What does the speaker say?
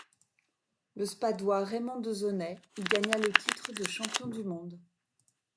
Le Spadois Raymond Desonay y gagna le titre de champion du monde.